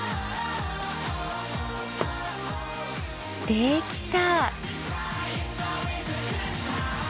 できた！